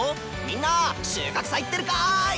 みんな収穫祭ってるかい！